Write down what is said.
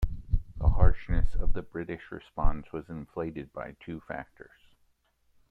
The harshness of the British response was inflated by two factors.